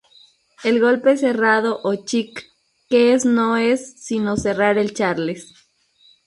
El golpe cerrado o 'chick' que es no es sino cerrar el charles.